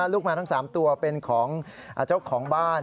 ลูกแมวทั้ง๓ตัวเป็นของเจ้าของบ้าน